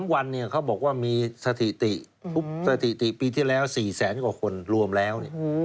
วันเขาบอกว่ามีสถิติทุกสถิติปีที่แล้ว๔แสนกว่าคนรวมแล้ว